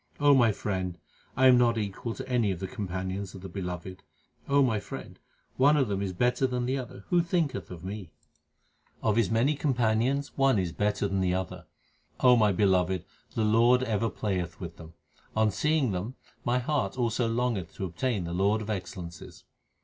O my friend, I am not equal to any of the companions of the Beloved. my friend, one of them is better than the other ; who thinketh of me ? Of His many companions one is better than the other, O my beloved ; the Lord ever playeth with them. On seeing them my heart also longeth to obtain the Lord of excellences.